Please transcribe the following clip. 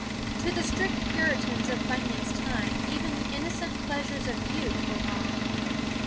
To the strict Puritans of Bunyan's time even the innocent pleasures of youth were wrong.